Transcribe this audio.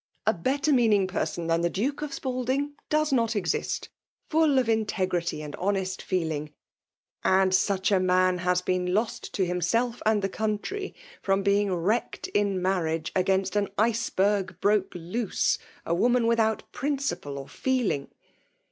A better meaning person than the Duke of ^lalding does not exist — ^fuU of integrity and honest feeling ; and such a man has been lost to himself and the country, firom being wrecked in marriage against an iceberg broke loose — a woman without principle or feeling.